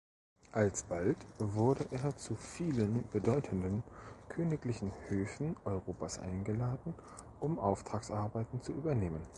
Alsbald wurde er zu vielen bedeutenden königlichen Höfen Europas eingeladen, um Auftragsarbeiten zu übernehmen.